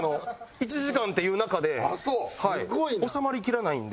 １時間っていう中で収まりきらないんで。